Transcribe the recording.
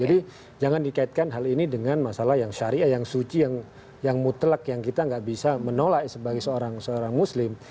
jadi jangan dikaitkan hal ini dengan masalah yang syariah yang suci yang mutlak yang kita nggak bisa menolak sebagai seorang muslim